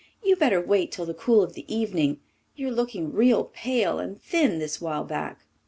You'd better wait till the cool of the evening. You're looking real pale and thin this while back."